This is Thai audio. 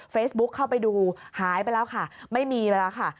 เข้าไปดูหายไปแล้วค่ะไม่มีไปแล้วค่ะ